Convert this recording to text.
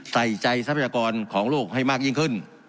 ใส่ใจทรัพยากรของโลกให้มากยิ่งขึ้น